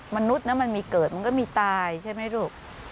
มนุษย์นะมันมีเกิดมันก็มีตายใช่ไหมลูก